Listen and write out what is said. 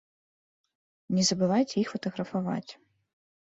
Не забывайце іх фатаграфаваць.